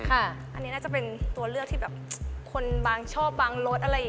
อันนี้น่าจะเป็นตัวเลือกที่แบบคนบางชอบบางรสอะไรอย่างนี้